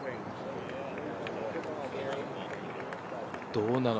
どうなの？